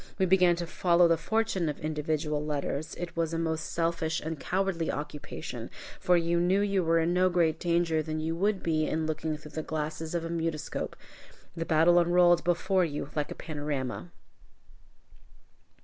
We began to follow the fortunes of individual letters. It was a most selfish and cowardly occupation, for you knew you were in no greater danger than you would be in looking through the glasses of a mutoscope. The battle unrolled before you like a panorama.